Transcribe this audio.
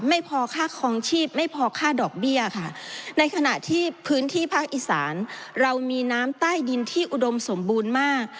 ไม่พอค่าคลองชีพไม่พอค่าดอกเบี้ยค่ะในขณะที่พื้นที่ภาคอีสานเรามีน้ำใต้ดินที่อุดมสมบูรณ์มาก